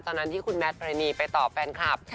ตอนนั้นที่คุณแมทพรณีไปตอบแฟนคลับ